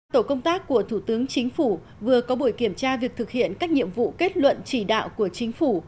tổ công tác của thủ tướng chính phủ vừa có buổi kiểm tra việc thực hiện các nhiệm vụ kết luận chỉ đạo của chính phủ